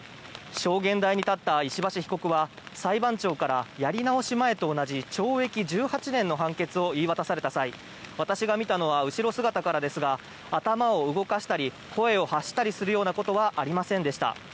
証言台に立った石橋被告は裁判長からやり直し前と同じ懲役１８年の判決を言い渡された際私が見たのは後ろ姿からですが頭を動かしたり声を発したりするようなことはありませんでした。